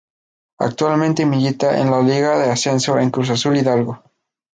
Actualmente milita en la liga de ascenso en Cruz Azul Hidalgo.